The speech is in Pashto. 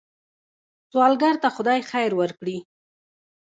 سوالګر ته خدای خیر ورکړي